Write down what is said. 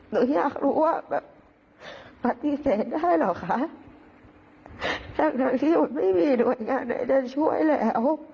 หนูอยากรู้ว่าแบบปฏิเสธได้หรอกคะตั้งแต่ที่หนูไม่มีโดยงานใดจะช่วยแล้ว